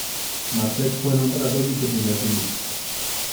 Maček fue nombrado viceprimer ministro.